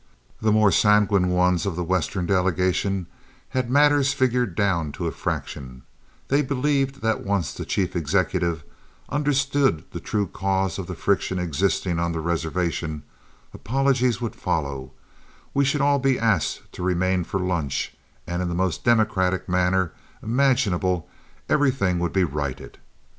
The more sanguine ones of the Western delegation had matters figured down to a fraction; they believed that once the chief executive understood the true cause of the friction existing on the reservation, apologies would follow, we should all be asked to remain for lunch, and in the most democratic manner imaginable everything would be righted.